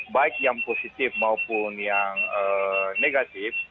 baik yang positif maupun yang negatif